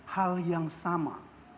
hal yang sama